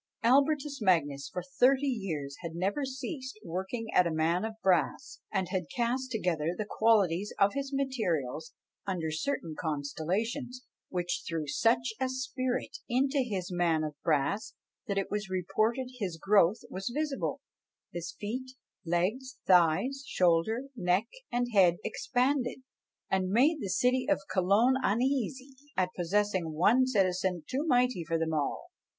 Albertus Magnus, for thirty years, had never ceased working at a man of brass, and had cast together the qualities of his materials under certain constellations, which threw such a spirit into his man of brass, that it was reported his growth was visible; his feet, legs, thighs, shoulders, neck, and head, expanded, and made the city of Cologne uneasy at possessing one citizen too mighty for them all.